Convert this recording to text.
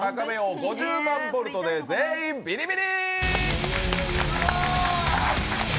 ５０万ボルトで全員ビリビリ！」